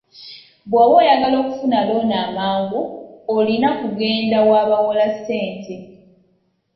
Bw'oba oyagala okufuna looni amagu olina kugenda w'abawola ssente.